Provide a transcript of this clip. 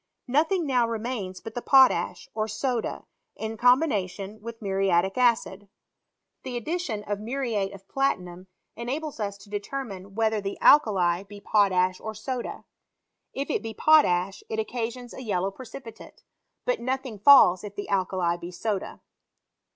Nothing now remains but the potash, or soda, in combination yntii muriatic acid. The addition of muriate of plftijniiyn enables us to determine whether the alkali HISTORY 07 CBEMISTRT. be potash or soda : if it be potasi), it o jellow precipitate ; but nothing falls if the alkali be soda.